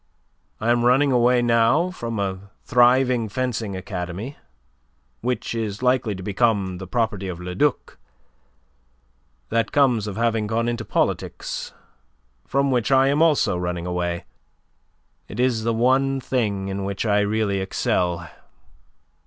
I am running away now from a thriving fencing academy, which is likely to become the property of Le Duc. That comes of having gone into politics, from which I am also running away. It is the one thing in which I really excel.